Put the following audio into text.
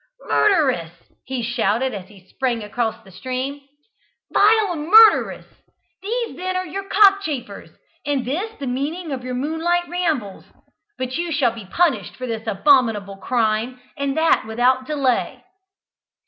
"Murderess!" he shouted, as he sprang across the stream. "Vile murderess, these then are your cockchafers, and this the meaning of your moonlight rambles! But you shall be punished for this abominable crime, and that without delay!"